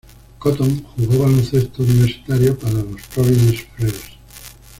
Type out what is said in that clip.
Cotton jugó baloncesto universitario para los Providence Friars.